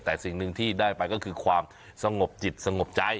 แต่สิ่งหนึ่งที่ได้ไปก็คือความสงบจิตสงบใจ